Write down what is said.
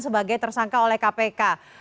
sebagai tersangka oleh kpk